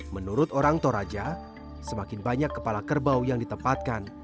menurut orang toraja semakin banyak kepala kerbau yang ditempatkan